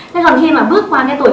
thế còn khi mà bước qua cái tuổi